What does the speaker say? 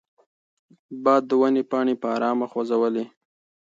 باد د ونې پاڼې په ارامه خوځولې.